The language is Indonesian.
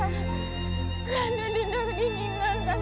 kanda tolong kanda